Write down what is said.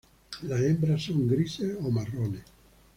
Las hembras son grises o marrones.